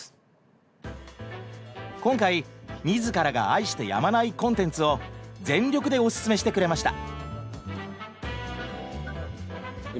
今回自らが愛してやまないコンテンツを全力でおススメしてくれました。